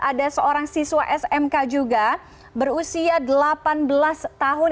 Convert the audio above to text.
ada seorang siswa smk juga berusia delapan belas tahun